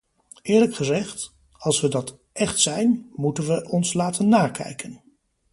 Eerlijk gezegd, als we dat echt zijn, moeten we ons laten nakijken!